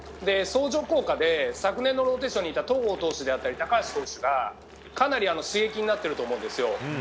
相乗効果で昨年のローテーションにいた戸郷投手であったり高橋投手がかなり刺激になっていると思うんですよ。